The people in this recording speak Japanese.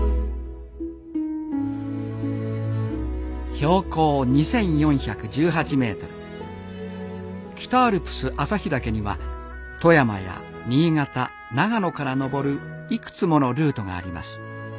標高２，４１８ｍ北アルプス朝日岳には富山や新潟長野から登るいくつものルートがあります。